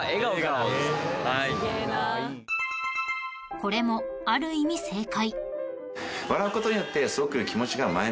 ［これもある意味正解］